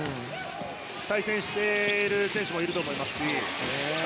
対戦している選手もいると思いますし。